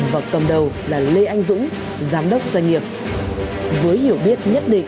và cầm đầu là lê anh dũng giám đốc doanh nghiệp